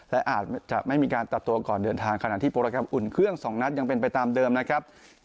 และอาจจะไม่มีการตัดตัวก่อนเดินทางขณะที่โปรแกรมอุ่นเครื่อง๒นัดยังเป็นไปตามเดิมนะครับ